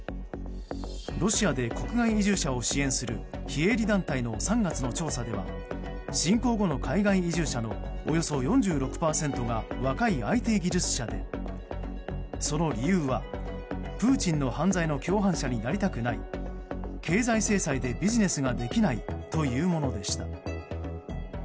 ロシアで国外移住者を支援する非営利団体の３月の調査では侵攻後の海外移住者のおよそ４６％が若いＩＴ技術者でその理由は、プーチンの犯罪の共犯者になりたくない経済制裁でビジネスができないというものでした。